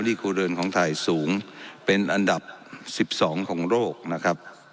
นี่ครัวเรือนของไทยสูงเป็นอันดับ๑๒ของโลกนะครับ